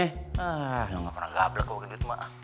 hah lu nggak pernah gabrak gua buat duit mbak